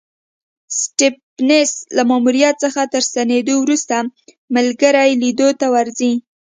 سټېفنس له ماموریت څخه تر ستنېدو وروسته ملګري لیدو ته ورځي.